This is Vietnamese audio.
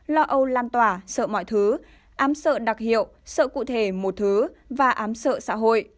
lo âu lan tỏa sợ mọi thứ ám sợ đặc hiệu sợ cụ thể một thứ và ám sợ xã hội